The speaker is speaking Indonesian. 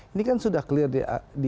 ini kan sudah clear